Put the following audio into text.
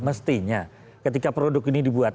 mestinya ketika produk ini dibuat